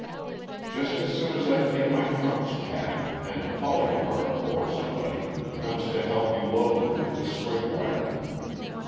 "Just as soon as I can get my trunks packed, and Polycarp or somebody comes to help me load them into the spring wagon.